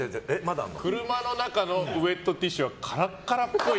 車の中のウェットティッシュはカラカラっぽい。